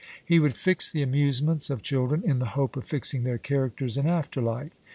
He would fix the amusements of children in the hope of fixing their characters in after life.